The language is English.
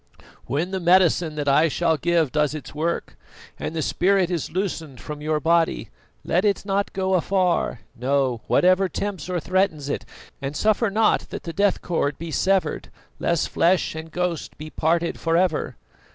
"When the medicine that I shall give does its work, and the spirit is loosened from your body, let it not go afar, no, whatever tempts or threatens it, and suffer not that the death cord be severed, lest flesh and ghost be parted for ever."